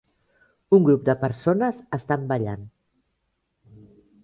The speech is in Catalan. Un grup de persones estan ballant.